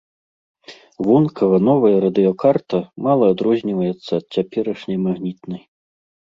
Вонкава новая радыёкарта мала адрозніваецца ад цяперашняй магнітнай.